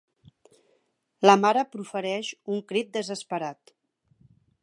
La mare profereix un crit desesperat.